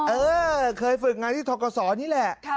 เออเคยฝึกงานที่ทกศนี่แหละ